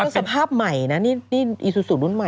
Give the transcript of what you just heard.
สภาพใหม่นะนี่อีซูซูรุ่นใหม่